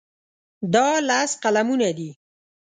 دا لس قلمونه دي.